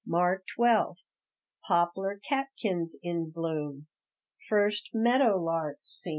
March 12 Poplar catkins in bloom. First meadow lark seen.